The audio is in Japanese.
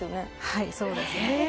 はいそうですねええ